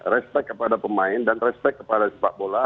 respect kepada pemain dan respect kepada sepak bola